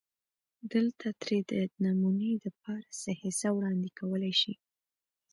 دلته ترې دنمونې دپاره څۀ حصه وړاندې کولی شي